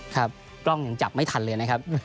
ครับกล้องยังจับไม่ทันเลยนะครับ